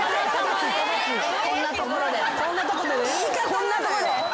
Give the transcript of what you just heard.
こんなとこで？